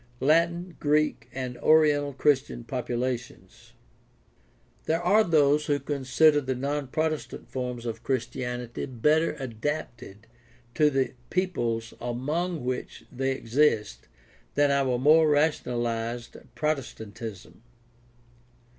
Latin, Greek, and oriental Christian populations. — There are those who consider the non Protestant forms of Chris tianity better adapted to the peoples among which they exist than our more rationalized Protestantism.